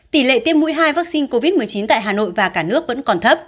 tỷ lệ tiêm mũi hai vaccine covid một mươi chín tại hà nội và cả nước vẫn còn thấp